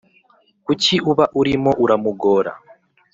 Kuki uba urimo uramugora